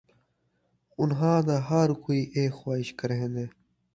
اُنھاں دا ہر کوئی اِیہ خواہش کریندے